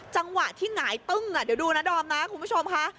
จังหวะที่หงายตึ้งเดี๋ยวดูนะดอมนะคุณผู้ชมค่ะ